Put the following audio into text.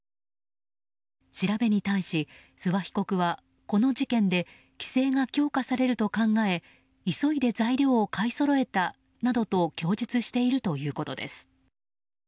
調べに対し諏訪被告はこの事件で規制が強化されると考え急いで材料を買いそろえたなどと供述しているということです。